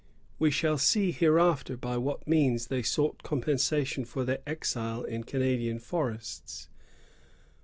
We shall see hereafter by what means they sought compensation for their exile in Canadian forests.